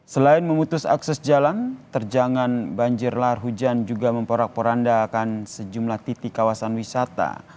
selain memutus akses jalan terjangan banjir lahar hujan juga memporak poranda akan sejumlah titik kawasan wisata